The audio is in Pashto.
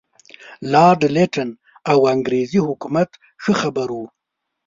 لارډ لیټن او انګریزي حکومت ښه خبر وو.